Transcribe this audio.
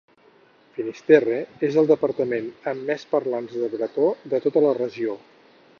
Finisterre és el departament amb més parlants de bretó de tota la regió.